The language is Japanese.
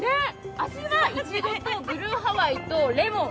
味はいちごとブルーハワイとレモン。